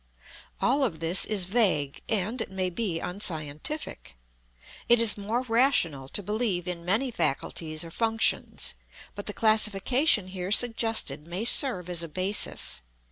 All of this is vague, and, it may be, unscientific. It is more rational to believe in many faculties or functions, but the classification here suggested may serve as a basis.